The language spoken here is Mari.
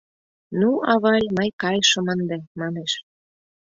— Ну, авай, мый кайышым ынде, — манеш.